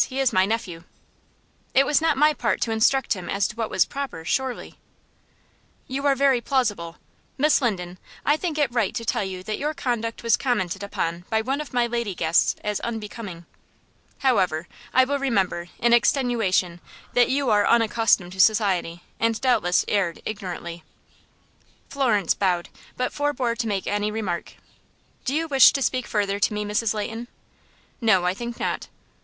He is my nephew." "It was not my part to instruct him as to what was proper, surely." "You are very plausible. Miss Linden, I think it right to tell you that your conduct was commented upon by one of my lady guests as unbecoming. However, I will remember, in extenuation, that you are unaccustomed to society, and doubtless erred ignorantly." Florence bowed, but forbore to make any remark. "Do you wish to speak further to me, Mrs. Leighton?" "No, I think not."